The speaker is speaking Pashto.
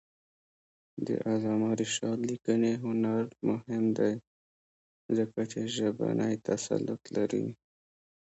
د علامه رشاد لیکنی هنر مهم دی ځکه چې ژبنی تسلط لري.